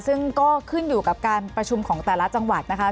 ซึ่งก็ขึ้นอยู่กับการประชุมของแต่ละจังหวัดนะคะ